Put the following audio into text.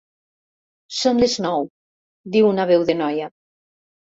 Són les nou —diu una veu de noia.